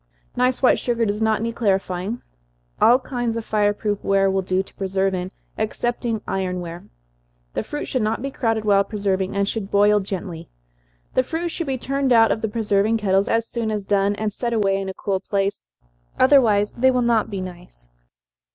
Nice white sugar does not need clarifying. All kinds of fire proof ware will do to preserve in, excepting iron ware. The fruit should not be crowded while preserving, and should boil gently. The fruit should be turned out of the preserving kettles as soon as done, and set away in a cool place, otherwise they will not be nice.